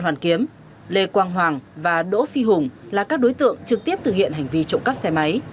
hoàn kiếm lê quang hoàng và đỗ phi hùng là các đối tượng trực tiếp thực hiện hành vi tiêu thụ